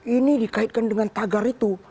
ini dikaitkan dengan tagar itu